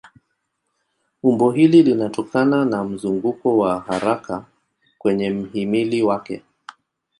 Umbo hili linatokana na mzunguko wa haraka kwenye mhimili wake.